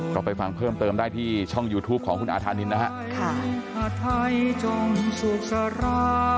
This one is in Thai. ไปฟังเพิ่มเติมได้ที่ช่องยูทูปของคุณอาธานินนะฮะค่ะ